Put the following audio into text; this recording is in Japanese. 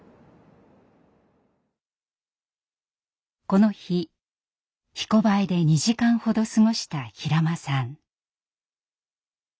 この日「ひこばえ」で２時間ほど過ごした平間さん。